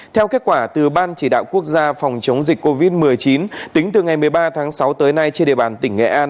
theo kết quả từ ban chỉ đạo quốc gia phòng chống dịch covid một mươi chín tính từ ngày một mươi ba tháng sáu tới nay trên địa bàn tỉnh nghệ an